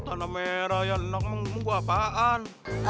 tanah merah ya anak lo ngomong gue apaan